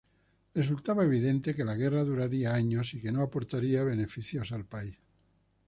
Resultaba evidente que la guerra duraría años y que no aportaría beneficios al país.